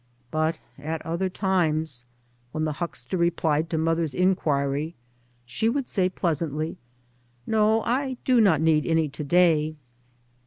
But at other times, when the huckster replied to mother's inquiry, she would say, pleasantly, " No, I do not need any to day."